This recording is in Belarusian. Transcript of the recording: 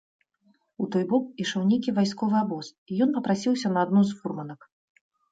У той бок ішоў нейкі вайсковы абоз, і ён папрасіўся на адну з фурманак.